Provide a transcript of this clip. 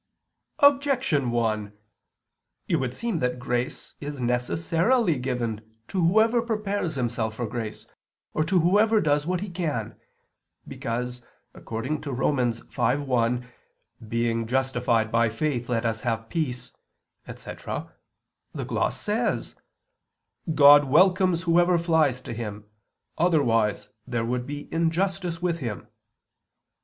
Objection 1: It would seem that grace is necessarily given to whoever prepares himself for grace, or to whoever does what he can, because, on Rom. 5:1, "Being justified ... by faith, let us have peace," etc. the gloss says: "God welcomes whoever flies to Him, otherwise there would be injustice with Him."